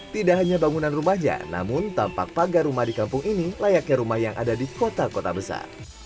tidak hanya bangunan rumahnya namun tampak pagar rumah di kampung ini layaknya rumah yang ada di kota kota besar